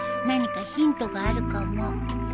何かヒントがあるかも。